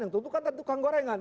yang tuntuk kan dari tukang gorengan